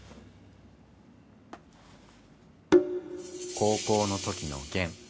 高校のときの弦。